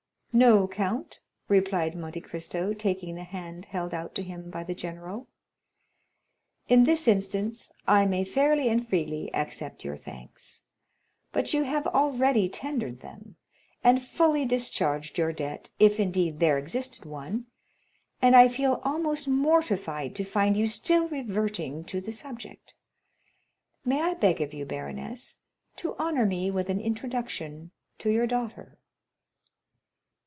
"No, count," replied Monte Cristo taking the hand held out to him by the general; "in this instance I may fairly and freely accept your thanks; but you have already tendered them, and fully discharged your debt—if indeed there existed one—and I feel almost mortified to find you still reverting to the subject. May I beg of you, baroness, to honor me with an introduction to your daughter?"